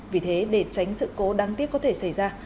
vì thế để tránh sự cố đáng tiếc có thể xảy ra